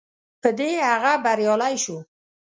په دې هغه بریالی شو.